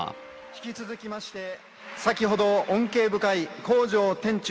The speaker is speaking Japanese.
引き続きまして、先ほど恩恵深い孝情天宙